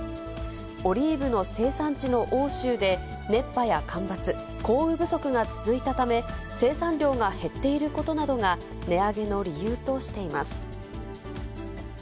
オリーブの生産地の欧州で、熱波や干ばつ、降雨不足が続いたため、生産量が減っていることなどが値上げの理由としています。